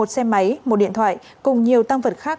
một xe máy một điện thoại cùng nhiều tăng vật khác